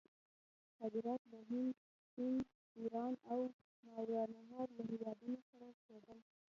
صادرات له هند، چین، ایران او ماورأ النهر له هیوادونو سره کېدل.